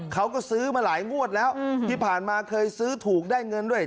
เขาก็ซื้อมาหลายงวดแล้วที่ผ่านมาเคยซื้อถูกได้เงินด้วย